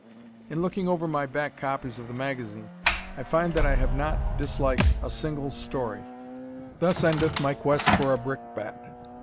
In looking over my back copies of the magazine I find that I have not disliked a single story. Thus endeth my quest for a brickbat.